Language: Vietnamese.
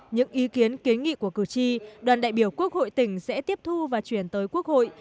những ý kiến kiến nghị của cử tri đoàn đại biểu quốc hội tỉnh sẽ tiếp thu và chuyển tới quốc hội